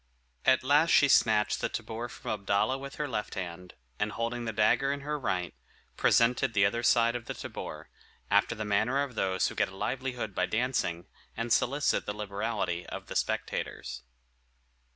At last she snatched the tabor from Abdalla with her left hand, and holding the dagger in her right, presented the other side of the tabor, after the manner of those who get a livelihood by dancing, and solicit the liberality of the spectators.